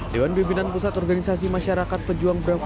dewan bipinan pusat organisasi masyarakat pejuang bravo lima